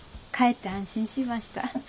かえって安心しました。